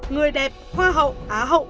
người đẹp hoa hậu á hậu